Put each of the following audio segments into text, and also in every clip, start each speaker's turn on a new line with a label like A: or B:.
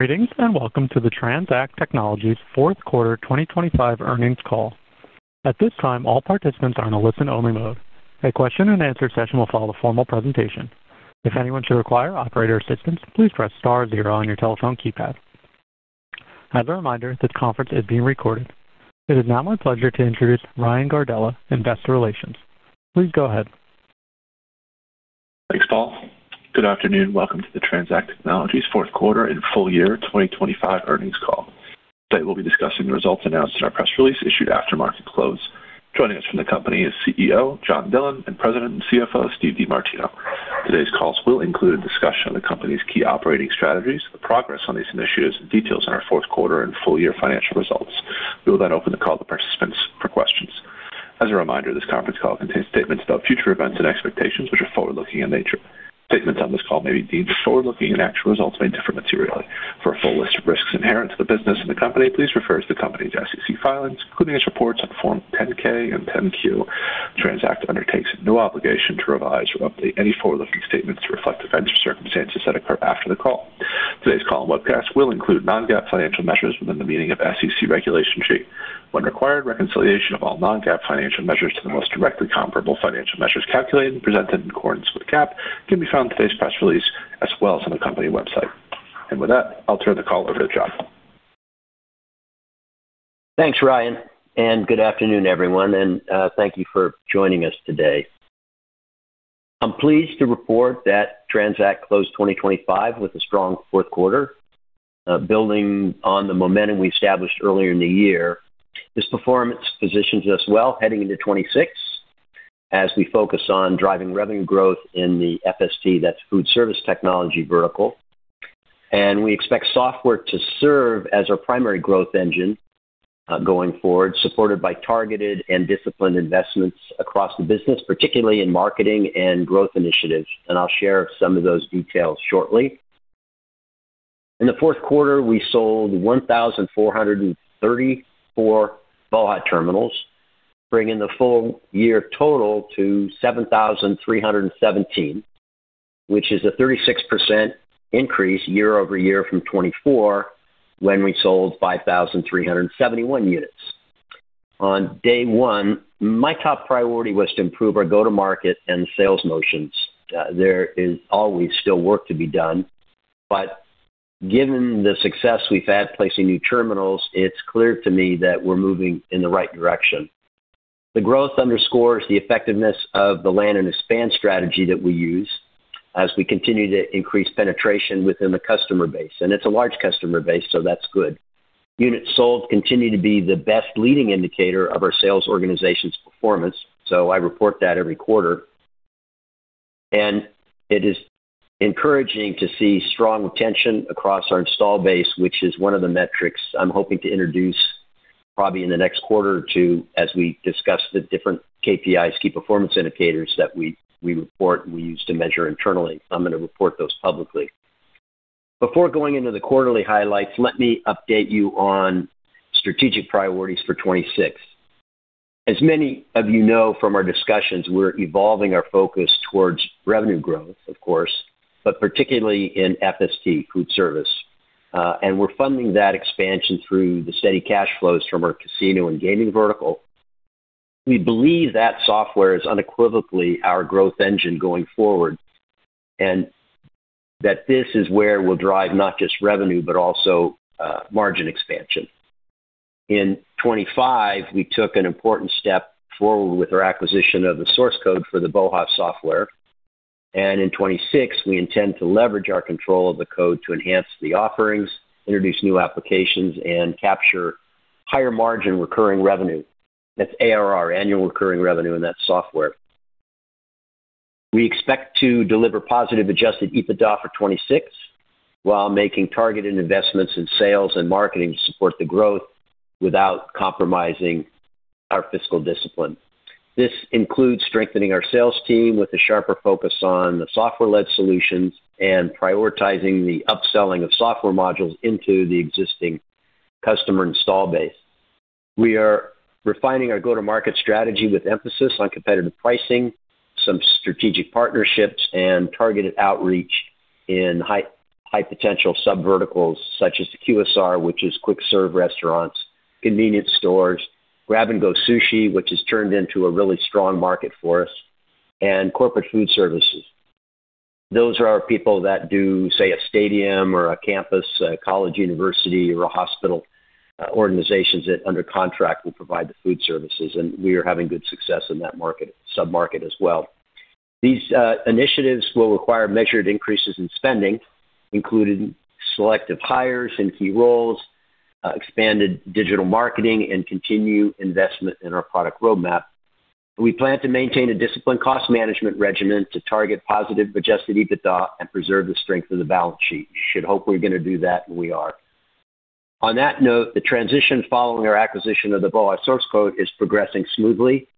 A: Greetings, and welcome to the TransAct Technologies Q4 2025 earnings call. At this time, all participants are in a listen-only mode. A question and answer session will follow the formal presentation. If anyone should require operator assistance, please press star zero on your telephone keypad. As a reminder, this conference is being recorded. It is now my pleasure to introduce Ryan Gardella, Investor Relations. Please go ahead.
B: Thanks, Paul. Good afternoon. Welcome to the TransAct Technologies Q4 and full year 2025 earnings call. Today, we'll be discussing the results announced in our press release issued after market close. Joining us from the company is CEO John Dillon and President and CFO Steve DeMartino. Today's call will include a discussion of the company's key operating strategies, the progress on these initiatives, and details on our Q4 and full year financial results. We will then open the call to participants for questions. As a reminder, this conference call contains statements about future events and expectations which are forward-looking in nature. Statements on this call may be deemed forward-looking, and actual results may differ materially. For a full list of risks inherent to the business and the company, please refer to the company's SEC filings, including its reports on Form 10-K and 10-Q. TransAct undertakes no obligation to revise or update any forward-looking statements to reflect events or circumstances that occur after the call. Today's call and webcast will include non-GAAP financial measures within the meaning of SEC Regulation G. When required, reconciliation of all non-GAAP financial measures to the most directly comparable financial measures calculated and presented in accordance with GAAP can be found in today's press release as well as on the company website. With that, I'll turn the call over to John.
C: Thanks, Ryan, and good afternoon, everyone, and thank you for joining us today. I'm pleased to report that TransAct closed 2025 with a strong Q4, building on the momentum we established earlier in the year. This performance positions us well heading into 2026 as we focus on driving revenue growth in the FST, that's Food Service Technology vertical. We expect software to serve as our primary growth engine, going forward, supported by targeted and disciplined investments across the business, particularly in marketing and growth initiatives. I'll share some of those details shortly. In the Q4, we sold 1,434 BOHA! terminals, bringing the full year total to 7,317, which is a 36% increase year-over-year from 2024 when we sold 5,371 units. On day one, my top priority was to improve our go-to-market and sales motions. There is always still work to be done, but given the success we've had placing new terminals, it's clear to me that we're moving in the right direction. The growth underscores the effectiveness of the land and expand strategy that we use as we continue to increase penetration within the customer base. It's a large customer base, so that's good. Units sold continue to be the best leading indicator of our sales organization's performance, so I report that every quarter. It is encouraging to see strong retention across our install base, which is one of the metrics I'm hoping to introduce probably in the next quarter or Q2, as we discuss the different KPIs, key performance indicators that we report and we use to measure internally. I'm gonna report those publicly. Before going into the quarterly highlights, let me update you on strategic priorities for 2026. As many of from our discussions, we're evolving our focus towards revenue growth, of course, but particularly in FST, food service. We're funding that expansion through the steady cash flows from our casino and gaming vertical. We believe that software is unequivocally our growth engine going forward, and that this is where we'll drive not just revenue, but also, margin expansion. In 2025, we took an important step forward with our acquisition of the source code for the BOHA! software, and in 2026, we intend to leverage our control of the code to enhance the offerings, introduce new applications, and capture higher margin recurring revenue. That's ARR, annual recurring revenue in that software. We expect to deliver positive adjusted EBITDA for 2026 while making targeted investments in sales and marketing to support the growth without compromising our fiscal discipline. This includes strengthening our sales team with a sharper focus on the software-led solutions and prioritizing the upselling of software modules into the existing customer install base. We are refining our go-to-market strategy with emphasis on competitive pricing, some strategic partnerships, and targeted outreach in high potential subverticals such as the QSR, which is quick serve restaurants, convenience stores, grab-and-go sushi, which has turned into a really strong market for us, and corporate food services. Those are our people that do, say, a stadium or a campus, a college, university, or a hospital, organizations that under contract will provide the food services, and we are having good success in that market, sub-market as well. These initiatives will require measured increases in spending, including selective hires in key roles, expanded digital marketing, and continued investment in our product roadmap. We plan to maintain a disciplined cost management regimen to target positive adjusted EBITDA and preserve the strength of the balance sheet. You should hope we're gonna do that, and we are. On that note, the transition following our acquisition of the BOHA! source code is progressing smoothly.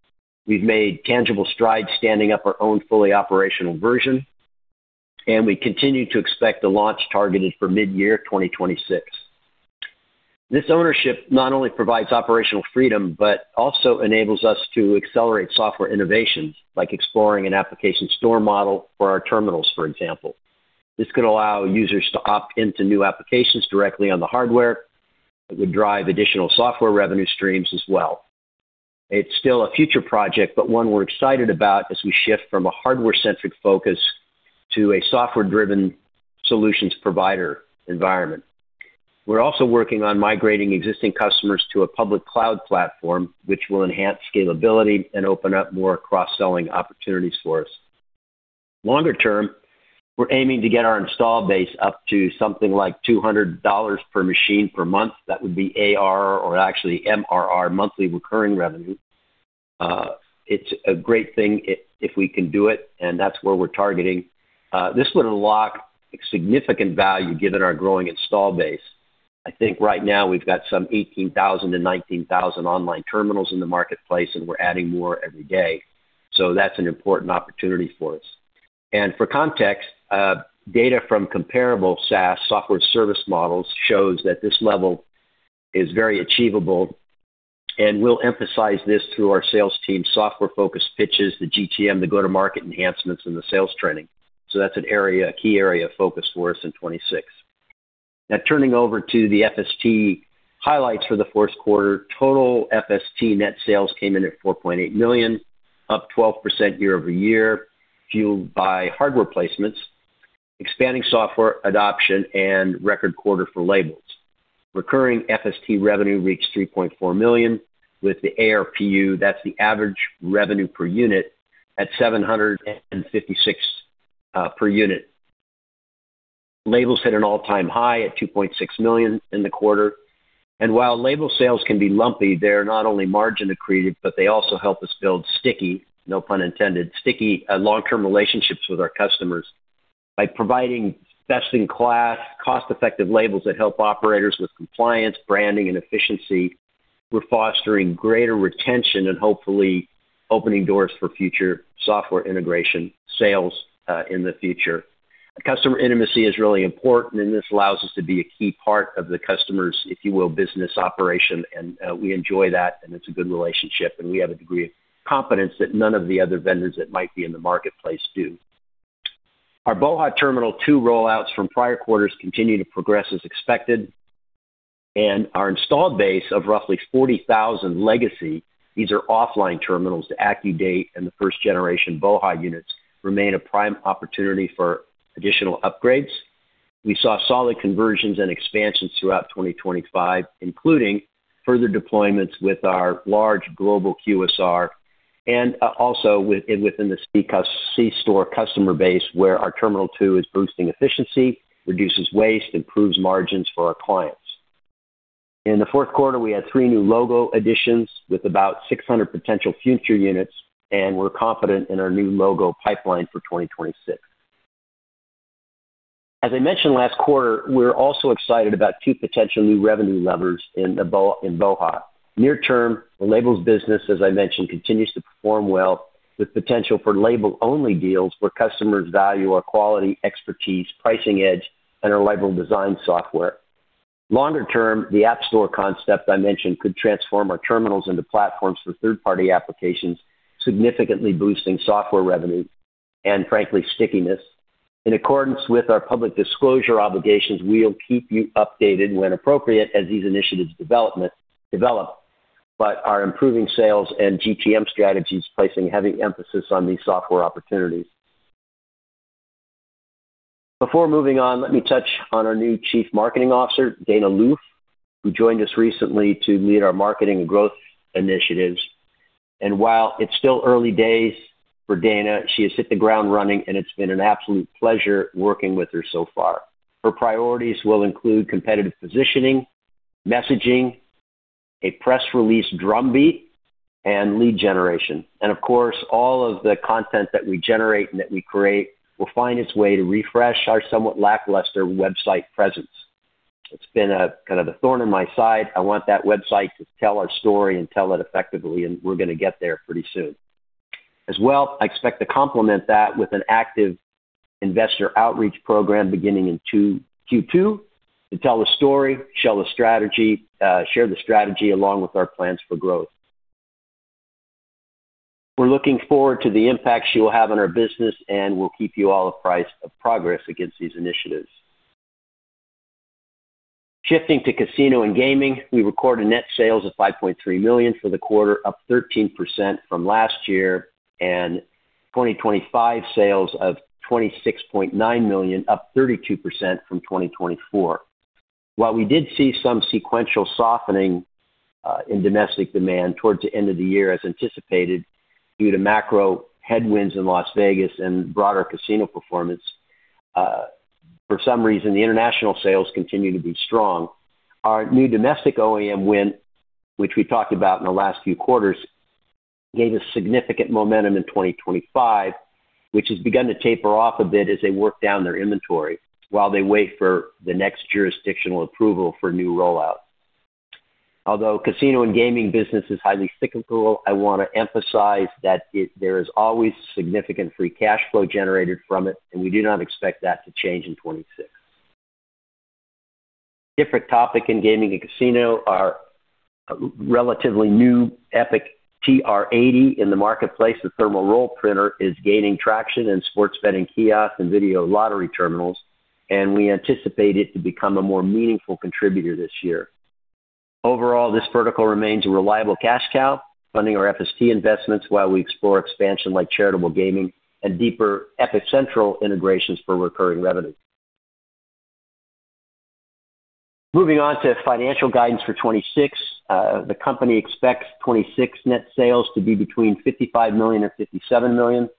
C: We've made tangible strides standing up our own fully operational version, and we continue to expect the launch targeted for mid-year 2026. This ownership not only provides operational freedom, but also enables us to accelerate software innovations, like exploring an application store model for our terminals, for example. This could allow users to opt into new applications directly on the hardware. It would drive additional software revenue streams as well. It's still a future project, but one we're excited about as we shift from a hardware-centric focus to a software-driven solutions provider environment. We're also working on migrating existing customers to a public cloud platform, which will enhance scalability and open up more cross-selling opportunities for us. Longer term, we're aiming to get our installed base up to something like $200 per machine per month. That would be ARR or actually MRR, monthly recurring revenue. It's a great thing if we can do it, and that's where we're targeting. This would unlock significant value given our growing installed base. I think right now we've got some 18,000-19,000 online terminals in the marketplace, and we're adding more every day. That's an important opportunity for us. For context, data from comparable SaaS software service models shows that this level is very achievable, and we'll emphasize this through our sales team's software-focused pitches, the GTM, the go-to-market enhancements, and the sales training. That's an area, a key area of focus for us in 2026. Now turning over to the FST highlights for the Q4, total FST net sales came in at $4.8 million, up 12% year-over-year, fueled by hardware placements, expanding software adoption, and record quarter for labels. Recurring FST revenue reached $3.4 million with the ARPU, that's the average revenue per unit, at 756 per unit. Labels hit an all-time high at $2.6 million in the quarter. While label sales can be lumpy, they're not only margin accretive, but they also help us build sticky, no pun intended, sticky long-term relationships with our customers. By providing best-in-class, cost-effective labels that help operators with compliance, branding, and efficiency, we're fostering greater retention and hopefully opening doors for future software integration sales in the future. Customer intimacy is really important, and this allows us to be a key part of the customer's, if you will, business operation. We enjoy that, and it's a good relationship, and we have a degree of confidence that none of the other vendors that might be in the marketplace do. Our BOHA! Terminal 2 rollouts from prior quarters continue to progress as expected. Our installed base of roughly 40,000 legacy, these are offline terminals, the AccuDate and the first-generation BOHA units, remain a prime opportunity for additional upgrades. We saw solid conversions and expansions throughout 2025, including further deployments with our large global QSR and also within the C-store customer base where our Terminal 2 is boosting efficiency, reduces waste, improves margins for our clients. In the Q4, we had three new logo additions with about 600 potential future units, and we're confident in our new logo pipeline for 2026. As I mentioned last quarter, we're also excited about two potential new revenue levers in the BOHA. Near term, the labels business, as I mentioned, continues to perform well with potential for label-only deals where customers value our quality, expertise, pricing edge, and our label design software. Longer term, the app store concept I mentioned could transform our terminals into platforms for third-party applications, significantly boosting software revenue and frankly stickiness. In accordance with our public disclosure obligations, we'll keep you updated when appropriate as these initiatives develop, but we're improving sales and GTM strategies placing heavy emphasis on these software opportunities. Before moving on, let me touch on our new Chief Marketing Officer, Dana Loof, who joined us recently to lead our marketing and growth initiatives. While it's still early days for Dana, she has hit the ground running, and it's been an absolute pleasure working with her so far. Her priorities will include competitive positioning, messaging, a press release drumbeat, and lead generation. Of course, all of the content that we generate and that we create will find its way to refresh our somewhat lackluster website presence. It's been a kind of a thorn in my side. I want that website to tell our story and tell it effectively, and we're gonna get there pretty soon. As well, I expect to complement that with an active investor outreach program beginning in Q2 to tell the story, sell the strategy, share the strategy along with our plans for growth. We're looking forward to the impact she will have on our business, and we'll keep you all apprised of progress against these initiatives. Shifting to casino and gaming, we recorded net sales of $5.3 million for the quarter, up 13% from last year, and 2025 sales of $26.9 million, up 32% from 2024. While we did see some sequential softening in domestic demand towards the end of the year as anticipated due to macro headwinds in Las Vegas and broader casino performance, for some reason, the international sales continue to be strong. Our new domestic OEM win, which we talked about in the last few quarters, gave us significant momentum in 2025, which has begun to taper off a bit as they work down their inventory while they wait for the next jurisdictional approval for new rollout. Although casino and gaming business is highly cyclical, I want to emphasize that there is always significant free cash flow generated from it, and we do not expect that to change in 2026. Different topic in gaming and casino are relatively new Epic TR80 in the marketplace. The thermal roll printer is gaining traction in sports betting kiosks and video lottery terminals, and we anticipate it to become a more meaningful contributor this year. Overall, this vertical remains a reliable cash cow, funding our FST investments while we explore expansion like charitable gaming and deeper Epicentral integrations for recurring revenue. Moving on to financial guidance for 2026. The company expects 2026 net sales to be between $55 million and $57 million,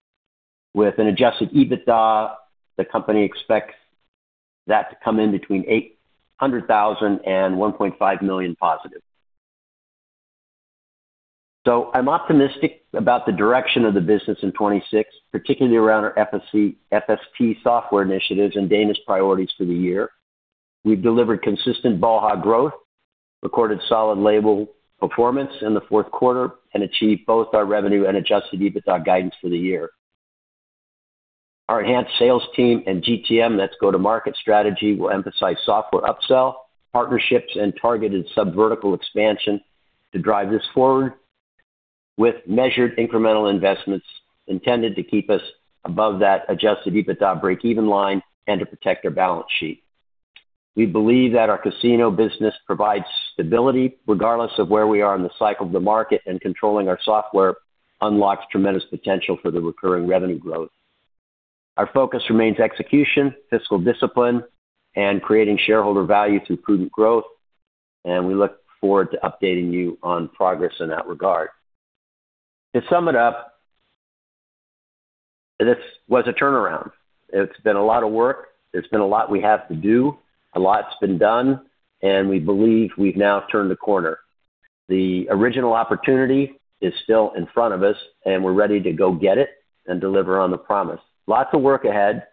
C: with an adjusted EBITDA, the company expects that to come in between $800,000 and $1.5 million positive. I'm optimistic about the direction of the business in 2026, particularly around our FST software initiatives and Dana's priorities for the year. We've delivered consistent BOHA! growth, recorded solid label performance in the Q4, and achieved both our revenue and adjusted EBITDA guidance for the year. Our enhanced sales team and GTM, that's go-to-market strategy, will emphasize software upsell, partnerships, and targeted sub-vertical expansion to drive this forward with measured incremental investments intended to keep us above that adjusted EBITDA break-even line and to protect our balance sheet. We believe that our casino business provides stability regardless of where we are in the cycle of the market, and controlling our software unlocks tremendous potential for the recurring revenue growth. Our focus remains execution, fiscal discipline, and creating shareholder value through prudent growth, and we look forward to updating you on progress in that regard. To sum it up, this was a turnaround. It's been a lot of work. There's been a lot we have to do. A lot's been done, and we believe we've now turned the corner. The original opportunity is still in front of us, and we're ready to go get it and deliver on the promise. Lots of work ahead,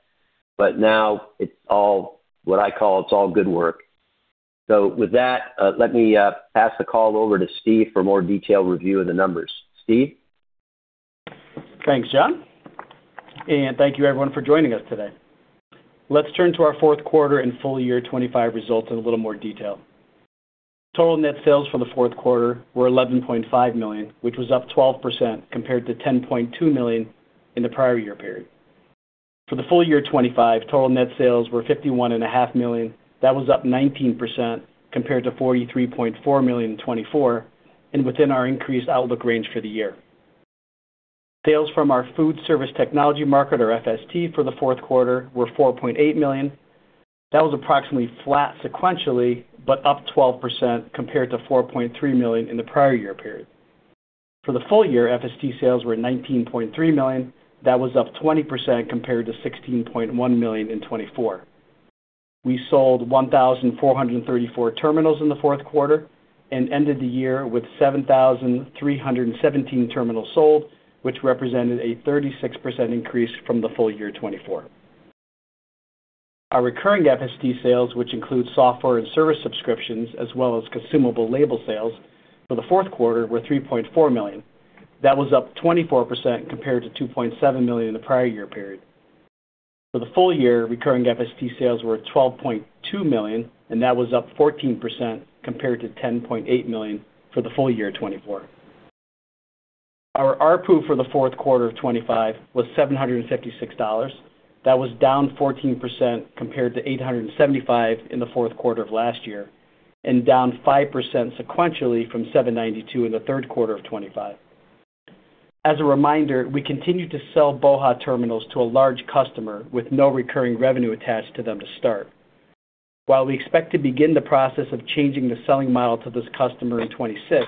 C: but now it's all what I call good work. With that, let me pass the call over to Steve for more detailed review of the numbers. Steve?
D: Thanks, John, and thank you everyone for joining us today. Let's turn to our Q4 and full year 2025 results in a little more detail. Total net sales for the Q4 were $11.5 million, which was up 12% compared to $10.2 million in the prior year period. For the full year 2025, total net sales were $51.5 million. That was up 19% compared to $43.4 million in 2024 and within our increased outlook range for the year. Sales from our food service technology market, or FST, for the Q4 were $4.8 million. That was approximately flat sequentially, but up 12% compared to $4.3 million in the prior year period. For the full year, FST sales were $19.3 million. That was up 20% compared to $16.1 million in 2024. We sold 1,434 terminals in the Q4 and ended the year with 7,317 terminals sold, which represented a 36% increase from the full year 2024. Our recurring FST sales, which include software and service subscriptions as well as consumable label sales for the Q4, were $3.4 million. That was up 24% compared to $2.7 million in the prior year period. For the full year, recurring FST sales were $12.2 million, and that was up 14% compared to $10.8 million for the full year 2024. Our ARPU for the Q4 of 2025 was $756. That was down 14% compared to 875 in the Q4 of last year and down 5% sequentially from 792 in the Q3 of 2025. As a reminder, we continue to sell BOHA terminals to a large customer with no recurring revenue attached to them to start. While we expect to begin the process of changing the selling model to this customer in 2026,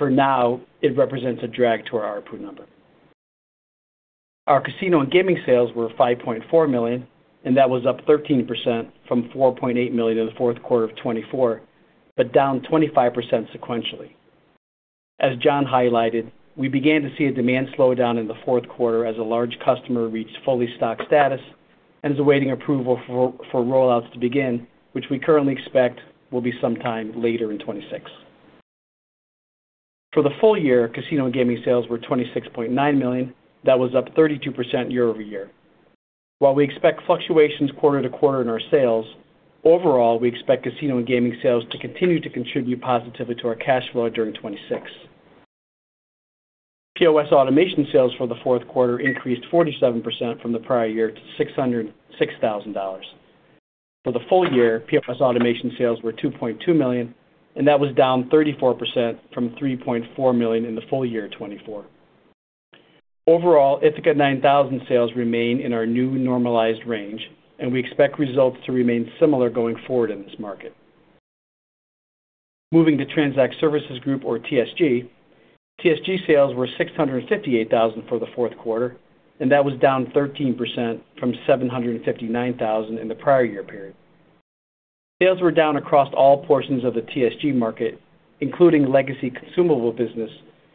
D: for now, it represents a drag to our ARPU number. Our casino and gaming sales were $5.4 million, and that was up 13% from $4.8 million in the Q4 of 2024, but down 25% sequentially. As John highlighted, we began to see a demand slowdown in the Q4 as a large customer reached fully stocked status and is awaiting approval for rollouts to begin, which we currently expect will be sometime later in 2026. For the full year, casino and gaming sales were $26.9 million. That was up 32% year-over-year. While we expect fluctuations quarter-to-quarter in our sales, overall, we expect casino and gaming sales to continue to contribute positively to our cash flow during 2026. POS automation sales for the Q4 increased 47% from the prior year to $606,000. For the full year, POS automation sales were $2.2 million, and that was down 34% from $3.4 million in the full year 2024. Overall, Ithaca 9000 sales remain in our new normalized range, and we expect results to remain similar going forward in this market. Moving to TransAct Services Group or TSG. TSG sales were $658 thousand for the Q4, and that was down 13% from $759 thousand in the prior year period. Sales were down across all portions of the TSG market, including legacy consumable business,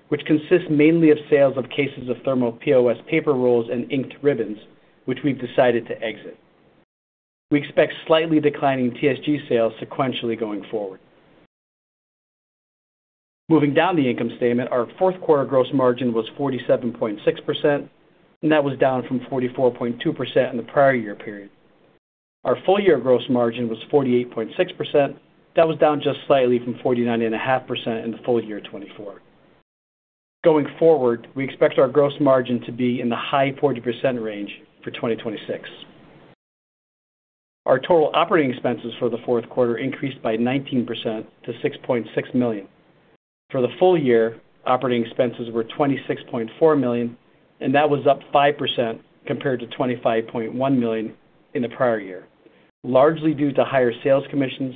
D: which consists mainly of sales of cases of thermal POS paper rolls and inked ribbons, which we've decided to exit. We expect slightly declining TSG sales sequentially going forward. Moving down the income statement, our Q4 gross margin was 47.6%, and that was down from 44.2% in the prior year period. Our full-year gross margin was 48.6%. That was down just slightly from 49.5% in the full year 2024. Going forward, we expect our gross margin to be in the high 40% range for 2026. Our total operating expenses for the Q4 increased by 19% to $6.6 million. For the full year, operating expenses were $26.4 million, and that was up 5% compared to $25.1 million in the prior year, largely due to higher sales commissions,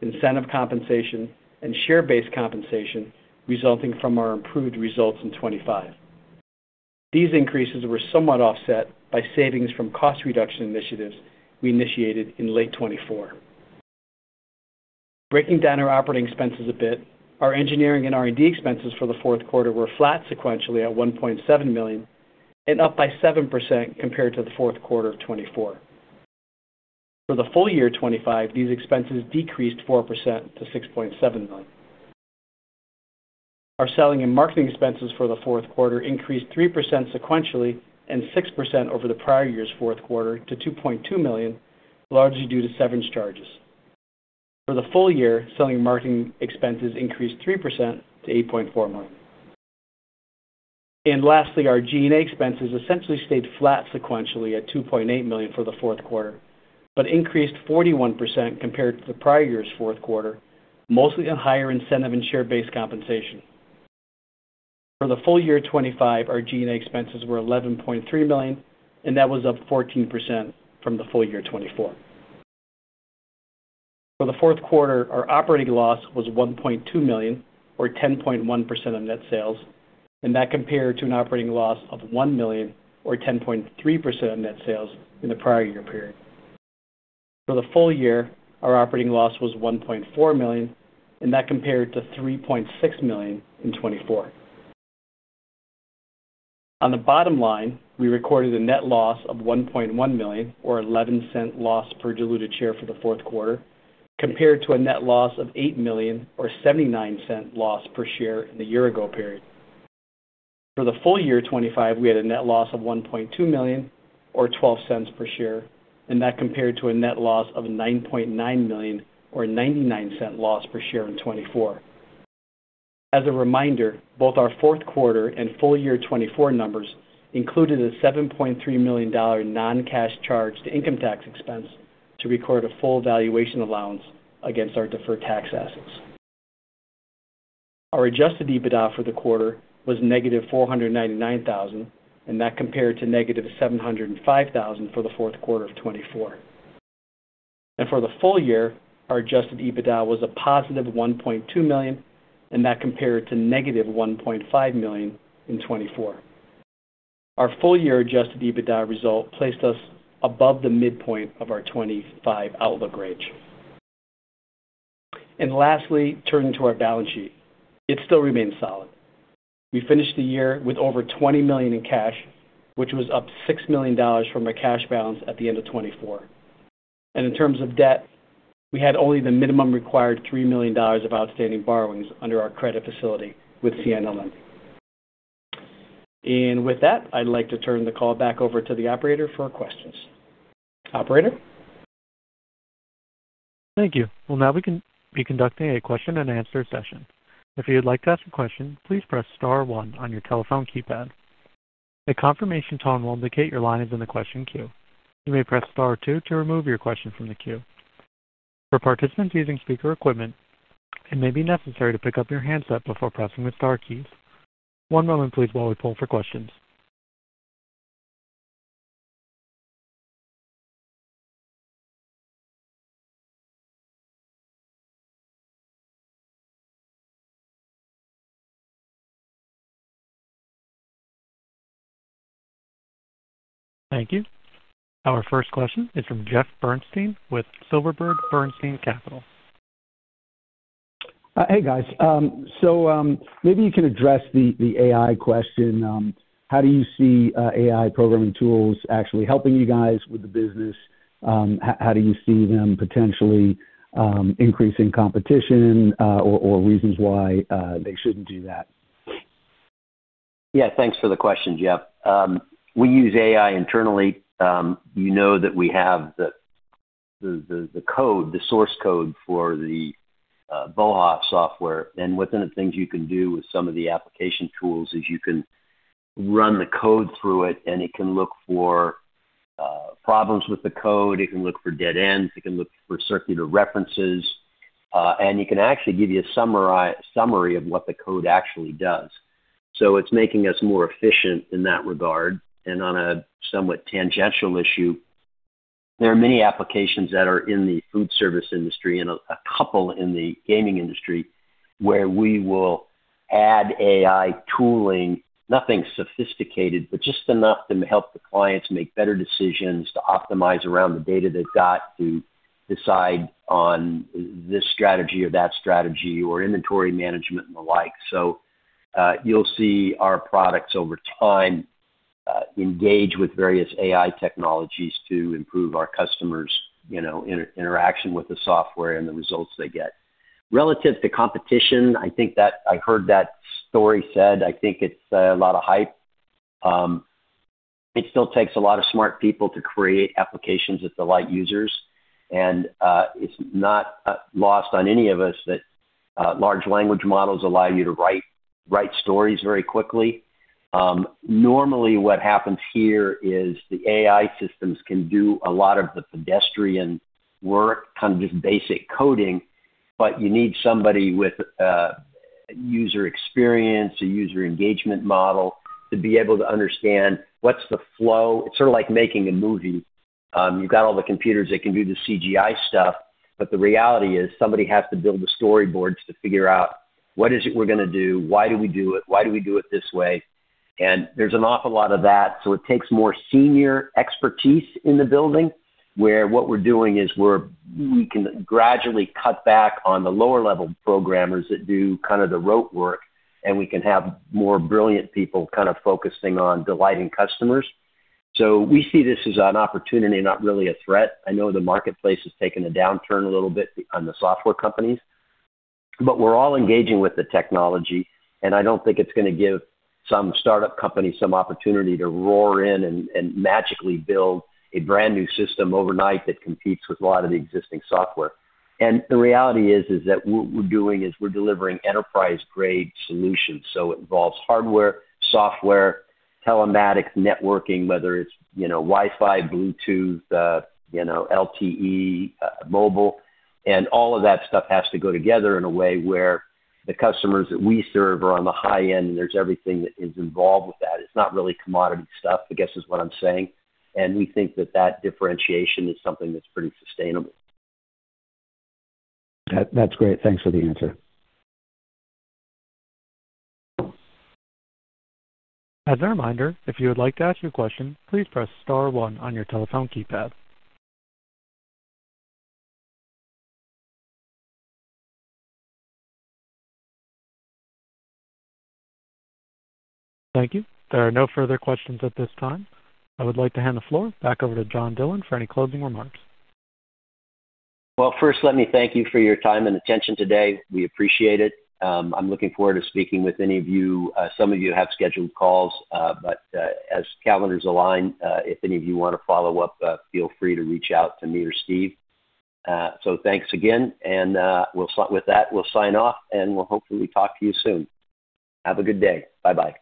D: incentive compensation and share-based compensation resulting from our improved results in 2025. These increases were somewhat offset by savings from cost reduction initiatives we initiated in late 2024. Breaking down our operating expenses a bit, our engineering and R&D expenses for the Q4 were flat sequentially at $1.7 million and up by 7% compared to the Q4 of 2024. For the full year 2025, these expenses decreased 4% to $6.7 million. Our selling and marketing expenses for the Q4 increased 3% sequentially and 6% over the prior year's Q4 to $2.2 million, largely due to severance charges. For the full year, selling and marketing expenses increased 3% to $8.4 million. Lastly, our G&A expenses essentially stayed flat sequentially at $2.8 million for the Q4, but increased 41% compared to the prior year's Q4, mostly on higher incentive and share-based compensation. For the full year 2025, our G&A expenses were $11.3 million, and that was up 14% from the full year 2024. For the Q4, our operating loss was $1.2 million or 10.1% of net sales, and that compared to an operating loss of $1 million or 10.3% of net sales in the prior year period. For the full year, our operating loss was $1.4 million, and that compared to $3.6 million in 2024. On the bottom line, we recorded a net loss of $1.1 million or 11-cent loss per diluted share for the Q4, compared to a net loss of $8 million or 79-cent loss per share in the year ago period. For the full year 2025, we had a net loss of $1.2 million or 12 cents per share, and that compared to a net loss of $9.9 million or 99-cent loss per share in 2024. As a reminder, both our Q4 and full year 2024 numbers included a $7.3 million non-cash charge to income tax expense to record a full valuation allowance against our deferred tax assets. Our adjusted EBITDA for the quarter was negative $499,000, and that compared to negative $705,000 for the Q4 of 2024. For the full year, our adjusted EBITDA was a positive $1.2 million, and that compared to negative $1.5 million in 2024. Our full-year adjusted EBITDA result placed us above the midpoint of our 2025 outlook range. Lastly, turning to our balance sheet, it still remains solid. We finished the year with over $20 million in cash, which was up $6 million from our cash balance at the end of 2024. In terms of debt, we had only the minimum required $3 million of outstanding borrowings under our credit facility with CNL. With that, I'd like to turn the call back over to the operator for questions. Operator?
A: Thank you. We'll now be conducting a question and answer session. If you'd like to ask a question, please press star one on your telephone keypad. A confirmation tone will indicate your line is in the question queue. You may press star two to remove your question from the queue. For participants using speaker equipment, it may be necessary to pick up your handset before pressing the star keys. One moment please while we poll for questions. Thank you. Our first question is from Jeff Bernstein with Silverberg Bernstein Capital.
E: Hey, guys. Maybe you can address the AI question. How do you see AI programming tools actually helping you guys with the business? How do you see them potentially increasing competition, or reasons why they shouldn't do that?
D: Yeah. Thanks for the question, Jeff. We use AI internally. that we have the code, the source code for the BOHA! software. Within the things you can do with some of the application tools is you can run the code through it, and it can look for problems with the code. It can look for dead ends, it can look for circular references, and it can actually give you a summary of what the code actually does. It's making us more efficient in that regard. On a somewhat tangential issue, there are many applications that are in the food service industry and a couple in the gaming industry where we will add AI tooling, nothing sophisticated, but just enough to help the clients make better decisions to optimize around the data they've got to decide on this strategy or that strategy or inventory management and the like.
C: You'll see our products over time engage with various AI technologies to improve our customers interaction with the software and the results they get. Relative to competition, I think that I heard that story said, I think it's a lot of hype. It still takes a lot of smart people to create applications that delight users. It's not lost on any of us that large language models allow you to write stories very quickly. Normally, what happens here is the AI systems can do a lot of the pedestrian work, kind of just basic coding, but you need somebody with user experience, a user engagement model to be able to understand what's the flow. It's sort of like making a movie. You've got all the computers that can do the CGI stuff, but the reality is somebody has to build the storyboards to figure out what is it we're gonna do, why do we do it, why do we do it this way? There's an awful lot of that. It takes more senior expertise in the building, where what we're doing is we can gradually cut back on the lower-level programmers that do kind of the rote work, and we can have more brilliant people kind of focusing on delighting customers. We see this as an opportunity, not really a threat. I know the marketplace has taken a downturn a little bit on the software companies, but we're all engaging with the technology, and I don't think it's gonna give some startup company some opportunity to roar in and magically build a brand-new system overnight that competes with a lot of the existing software. The reality is that what we're doing is we're delivering enterprise-grade solutions. It involves hardware, software, telematics, networking, whether it's Wi-Fi, luetooth LTE, mobile. All of that stuff has to go together in a way where the customers that we serve are on the high end, and there's everything that is involved with that. It's not really commodity stuff, I guess, is what I'm saying. We think that that differentiation is something that's pretty sustainable.
E: That, that's great. Thanks for the answer.
A: As a reminder, if you would like to ask your question, please press star one on your telephone keypad. Thank you. There are no further questions at this time. I would like to hand the floor back over to John Dillon for any closing remarks.
C: Well, first, let me thank you for your time and attention today. We appreciate it. I'm looking forward to speaking with any of you. Some of you have scheduled calls, but as calendars align, if any of you wanna follow up, feel free to reach out to me or Steve. Thanks again. With that, we'll sign off, and we'll hopefully talk to you soon. Have a good day. Bye-bye.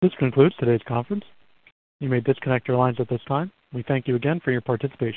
A: This concludes today's conference. You may disconnect your lines at this time. We thank you again for your participation.